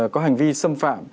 có hành vi xâm phạm